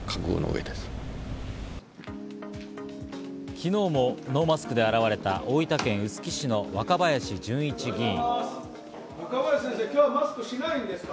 昨日もノーマスクで現れた大分県臼杵市の若林純一議員。